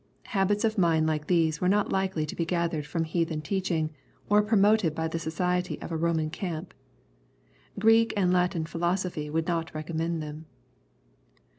Habits of mind like these were not likely to be gathered from heathen teaching, or promoted by the society of a Boman camp. Greek and Latin philosophy would not recommend them.